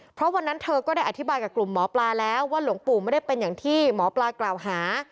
เพราะวันนั้นเธอก็ได้อธิบายกับกลุ่มหมอปลาแล้วว่าหลวงปู่ไม่ได้เป็นอย่างที่หมอปลากล่าวหา